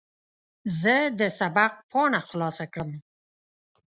زه د سبق پاڼه خلاصه کړم.